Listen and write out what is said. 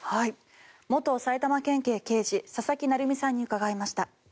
元埼玉県警刑事佐々木成三さんに伺いました。